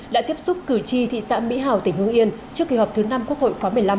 đã tiếp xúc cử tri thị xã mỹ hào tỉnh hương yên trước kỳ họp thứ năm quốc hội khóa một mươi năm